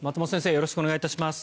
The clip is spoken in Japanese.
よろしくお願いします。